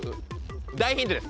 大ヒントです。